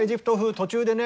途中でね